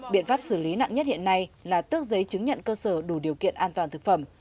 biện pháp xử lý nặng nhất hiện nay là tước giấy chứng nhận cơ sở đủ điều kiện an toàn thực phẩm